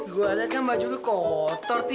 gue liat kan baju lu kotor sih ya